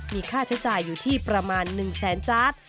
มีค่าใช้จ่ายอยู่ที่ประมาณ๑แสนจาร์ด